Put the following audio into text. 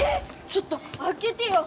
ちょっとあけてよ！